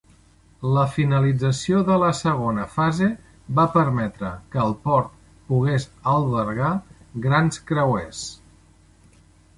La finalització de la segona fase va permetre que el port pogués albergar grans creuers.